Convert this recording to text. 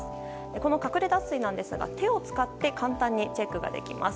この隠れ脱水ですが、手を使って簡単にチェックができます。